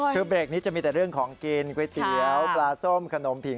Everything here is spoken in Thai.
คือเบรกนี้จะมีแต่เรื่องของกินก๋วยเตี๋ยวปลาส้มขนมผี